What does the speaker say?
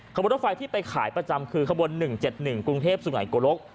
ข้าวบนรถไฟที่ไปขายประจำคือข้าวบน๑๗๑กรุงเทพศูนย์ไหนกุรก